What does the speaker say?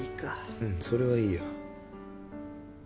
うんそれはいいや。